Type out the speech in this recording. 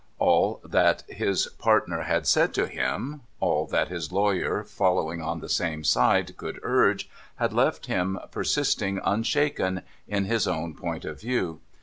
All that his partner had said to him, all that his lawyer, following on the same side, could urge, had left him per sisting unshaken in his own point of view.